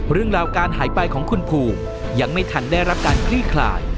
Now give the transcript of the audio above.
เรื่องราวการหายไปของคุณภูมิยังไม่ทันได้รับการคลี่คลาย